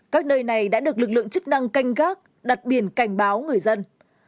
các nơi này đã được lực lượng chức năng canh gác đặt biển cảnh báo người dân